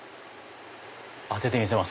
当ててみせます。